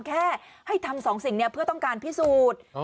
แค่ให้ทำ๒สิ่งนี้เพื่อต้องการพิสูจน์